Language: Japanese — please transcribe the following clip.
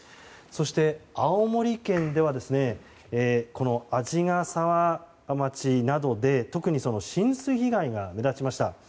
そして、青森県では鰺ヶ沢町などで特に浸水被害が目立ちました。